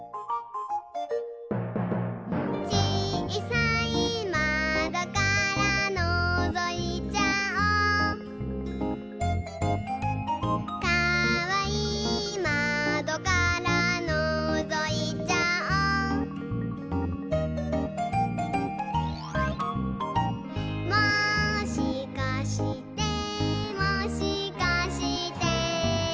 「ちいさいまどからのぞいちゃおう」「かわいいまどからのぞいちゃおう」「もしかしてもしかして」